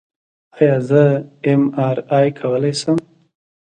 ایا زه ایم آر آی کولی شم؟